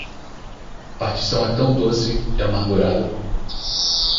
Partição é tão doce e armagurado